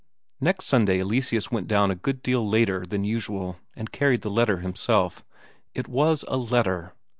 Next Sunday Eleseus went down a good deal later than usual, and carried the letter himself. It was a letter!